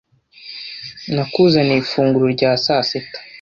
Nakuzaniye ifunguro rya sasita.